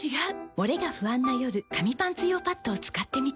モレが不安な夜紙パンツ用パッドを使ってみた。